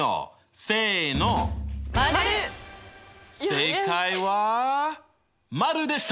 正解は〇でした。